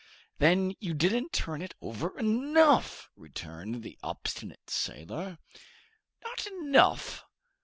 "Then you didn't turn it over enough!" returned the obstinate sailor. "Not enough!"